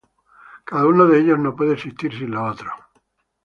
Cada uno de ellos no puede existir sin los otros.